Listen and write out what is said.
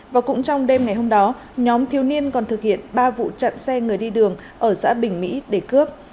và cũng trong đêm ngày hôm đó nhóm thiếu niên còn thực hiện ba vụ chặn xe người đi đường ở xã bình mỹ để cướp